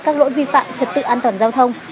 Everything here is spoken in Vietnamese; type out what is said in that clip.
các lỗi vi phạm trật tự an toàn giao thông